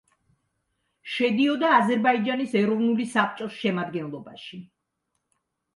შედიოდა აზერბაიჯანის ეროვნული საბჭოს შემადგენლობაში.